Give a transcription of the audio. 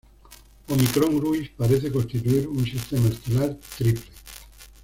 Ómicron Gruis parece constituir un sistema estelar triple.